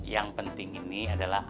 yang penting ini adalah